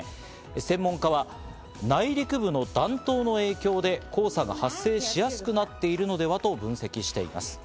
専門家は内陸部の暖冬の影響で黄砂が発生しやすくなっているのではと分析しています。